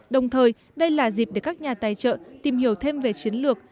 đồng thời đây là dịp để các nhà tài trợ tìm hiểu thêm về chiến lược